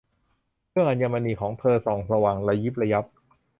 เครื่องอัญมณีของเธอส่องสว่างระยิบระยับ